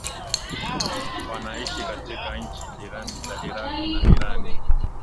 wanaishi katika nchi jirani za Iraq na Irani